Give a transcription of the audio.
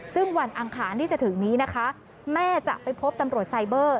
ซึ่งวันอังคารที่จะถึงนี้นะคะแม่จะไปพบตำรวจไซเบอร์